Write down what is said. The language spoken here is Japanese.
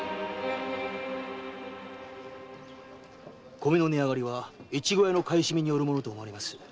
米の値上がりは越後屋の買い占めによると思われます。